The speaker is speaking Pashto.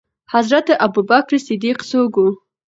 حضرت ابوبکر صديق څوک وو؟